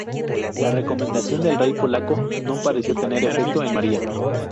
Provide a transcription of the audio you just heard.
La recomendación del rey polaco, no pareció tener efecto en María.